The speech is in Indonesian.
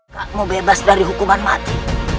kamu bebas dari hukuman mati